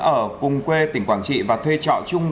ở cùng quê tỉnh quảng trị và thuê trọ chung